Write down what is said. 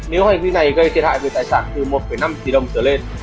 nếu hành vi này gây thiệt hại về tài sản từ một năm tỷ đồng trở lên